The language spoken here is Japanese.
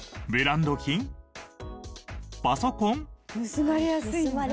盗まれやすいのが？